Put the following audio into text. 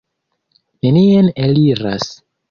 Nenien eliras.